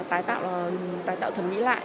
tái tạo thẩm mỹ lại